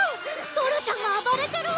ドラちゃんが暴れてるわ！